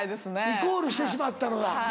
イコールしてしまったのか。